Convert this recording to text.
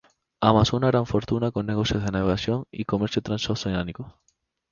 Amasó una gran fortuna con negocios de navegación y comercio transoceánico.